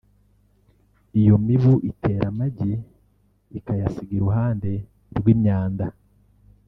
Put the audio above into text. Iyo mibu itera amagi ikayasiga iruhande rw’imyanda